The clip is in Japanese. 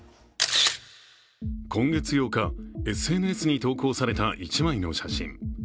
今月８日、ＳＮＳに投稿された１枚の写真。